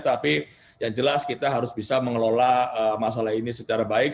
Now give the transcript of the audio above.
tapi yang jelas kita harus bisa mengelola masalah ini secara baik